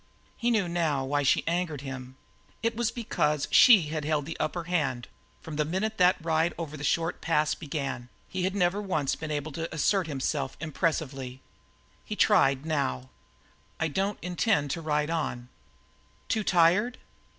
He knew now why she angered him; it was because she had held the upper hand from the minute that ride over the short pass began he had never once been able to assert himself impressively. He decided to try now. "I don't intend to ride on." "Too tired?"